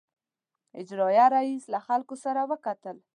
اجرائیه رییس له خلکو سره وکتل.